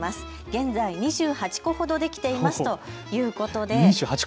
現在２８個ほどできていますということで。